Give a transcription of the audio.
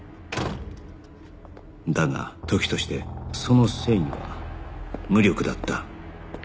だが時としてその正義は無力だった